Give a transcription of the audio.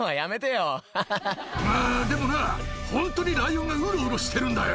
でもなホントにライオンがうろうろしてるんだよ。